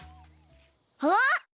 あっ！